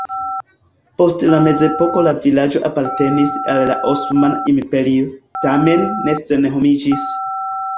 Post la mezepoko la vilaĝo apartenis al la Osmana Imperio, tamen ne senhomiĝis.